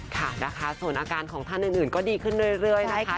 ค่ะนะคะส่วนอาการของท่านอื่นก็ดีขึ้นเรื่อยนะคะ